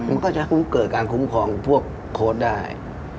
มันก็จะเกิดการคุ้มครองพวกโค้ดได้